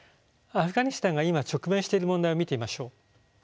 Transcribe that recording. アフガニスタンが今直面している問題を見てみましょう。